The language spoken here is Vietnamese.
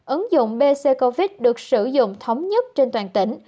ứng dụng bc covid được sử dụng thống nhất trên toàn tỉnh